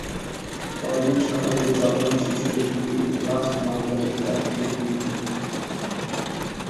পরদিন সকালে যজম শিশুর একটি এখলাস নবজাতক ওয়ার্ড থেকে চুরি হয়।